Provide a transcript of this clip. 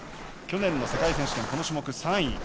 去年の世界選手権、この種目３位。